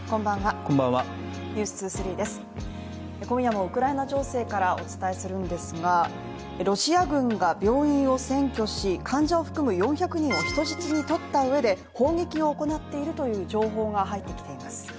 今夜もウクライナ情勢からお伝えするんですがロシア軍が病院を占拠し、患者を含む４００人を人質に取ったうえで、砲撃を行っているという情報が入ってきています。